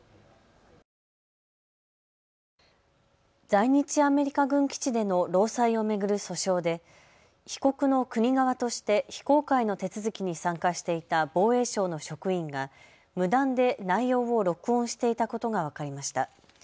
在日アメリカ軍基地での労災を巡る訴訟で被告の国側として非公開の手続きに参加していた防衛省の職員が無断で内容を録音していたことが分かりました。